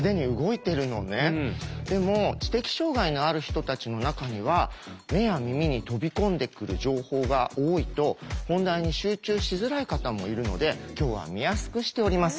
でも知的障害のある人たちの中には目や耳に飛び込んでくる情報が多いと本題に集中しづらい方もいるので今日は見やすくしております。